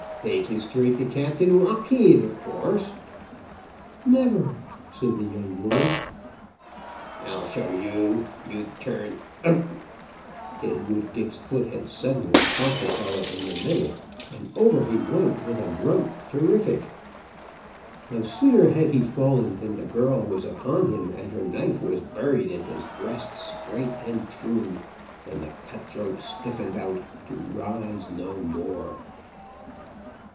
"Take ye straight to Captain Joaquin, of course." "Never!" said the young woman. "I'll show ye. You turn Ugghh!" Deadwood Dick's foot had suddenly caught the fellow in the middle, and over he went with a grunt terrific. No sooner had he fallen than the girl was upon him, and her knife was buried in his breast, straight and true, and the cutthroat stiffened out to rise no more.